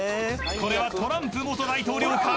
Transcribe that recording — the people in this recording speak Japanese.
［これはトランプ元大統領か⁉］